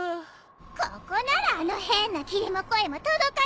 ここならあの変な霧も声も届かないさ！